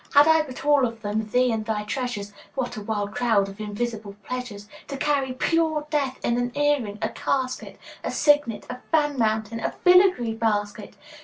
Had I but all of them, thee and thy treasures, What a wild crowd of Invisible pleasures! To carry pure death in an earring, a casket, A signet, a fan mount, a filigree basket!